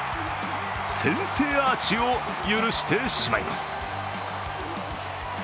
先制アーチを許してしまいます。